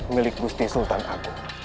milik busti sultan agung